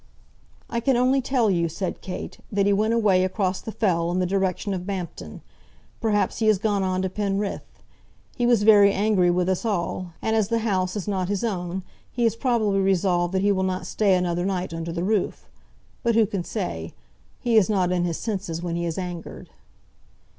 "I can only tell you," said Kate, "that he went away across the Fell in the direction of Bampton. Perhaps he has gone on to Penrith. He was very angry with us all; and as the house is not his own, he has probably resolved that he will not stay another night under the roof. But, who can say? He is not in his senses when he is angered."